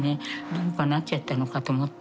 どうかなっちゃったのかと思って。